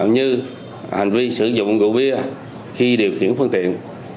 như hành vi sử dụng rượu bia khi điều khiển phương tiện